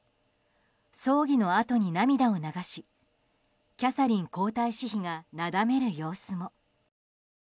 葬儀のあとに涙を流しキャサリン皇太子妃がなだめる様子も。